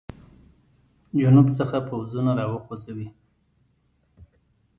جنوب څخه پوځونه را وخوځوي.